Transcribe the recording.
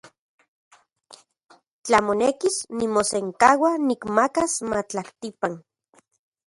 Tla monekis, nimosenkaua nikmakas matlaktipan.